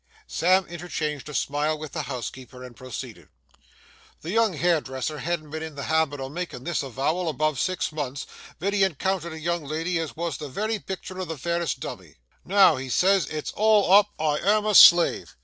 Sam interchanged a smile with the housekeeper, and proceeded: 'The young hairdresser hadn't been in the habit o' makin' this avowal above six months, ven he en countered a young lady as wos the wery picter o' the fairest dummy. "Now," he says, "it's all up. I am a slave!"